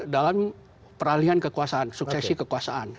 dalam peralihan kekuasaan suksesi kekuasaan